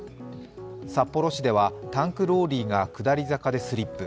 札幌市ではタンクローリーが下り坂でスリップ。